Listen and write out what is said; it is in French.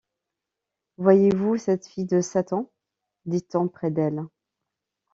Voyez-vous cette fille de Satan? dit-on près d’elle.